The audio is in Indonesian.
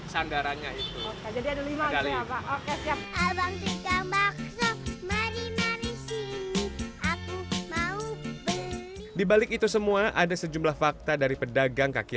sandarannya itu jadi ada lima oke siap di balik itu semua ada sejumlah fakta dari pedagang kaki